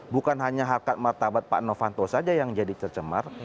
bukan hanya harkat martabat pak novanto saja yang jadi tercemar